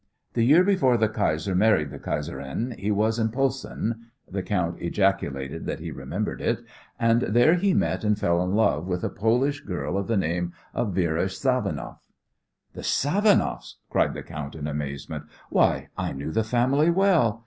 "The year before the Kaiser married the Kaiserin he was in Posen" the count ejaculated that he remembered it "and there he met and fell in love with a Polish girl of the name of Vera Savanoff." "The Savanoffs!" cried the count in amazement. "Why, I knew the family well.